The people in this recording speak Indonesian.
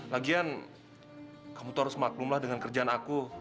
lagian kamu tuh harus maklumlah dengan kerjaan aku